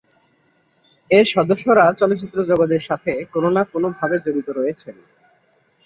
এর সদস্যরা চলচ্চিত্র জগতের সাথে কোনো না কোনো ভাবে জড়িত রয়েছেন।